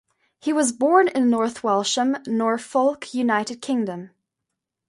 He was born in North Walsham, Norfolk, United Kingdom.